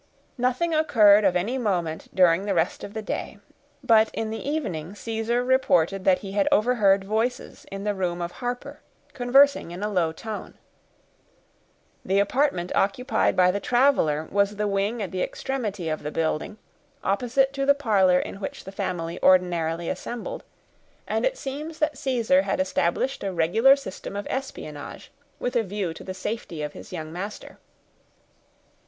Nothing occurred of any moment during the rest of the day; but in the evening Caesar reported that he had overheard voices in the room of Harper, conversing in a low tone. The apartment occupied by the traveler was the wing at the extremity of the building, opposite to the parlor in which the family ordinarily assembled; and it seems that Caesar had established a regular system of espionage, with a view to the safety of his young master.